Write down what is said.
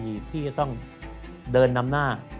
อีกที่จะต้องเดินนำหน้า